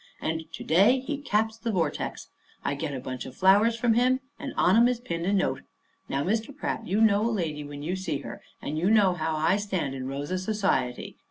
And to day he caps the vortex. I get a bunch of flowers from him, and on 'em is pinned a note. Now, Mr. Pratt, you know a lady when you see her; and you know how I stand in Rosa society.